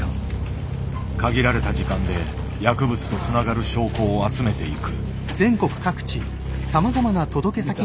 限られた時間で薬物とつながる証拠を集めていく。